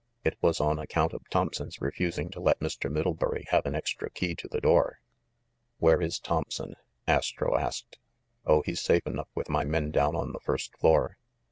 It was on account of Thompson's refusing to let Mr. Middlebury have an extra key to the door." "Where is Thompson?" Astro asked. "Oh, he's safe enough with my men down on the first floor."